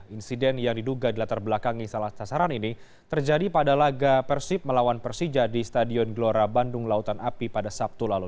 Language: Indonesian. insiden yang diduga dilatar belakangi salah sasaran ini terjadi pada laga persib melawan persija di stadion gelora bandung lautan api pada sabtu lalu